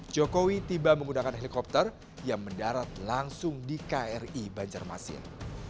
jokowi tiba menggunakan helikopter yang mendarat langsung di kri banjarmasin